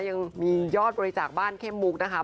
ยังมียอดบริจาคบ้านเข้มมุกนะคะ